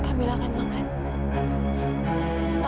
kamilah akan makan